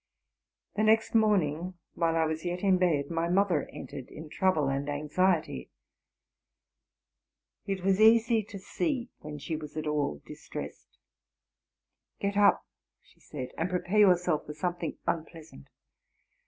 The next morning, while I was yet in bed, my mothe: entered, in trouble and anxiety. It was easy to see when she was at all distressed. '' Get up,'' she said, '* and prepare yourself for something unpleasant.